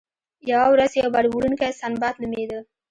یوه ورځ یو بار وړونکی سنباد نومیده.